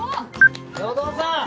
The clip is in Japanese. お父さん！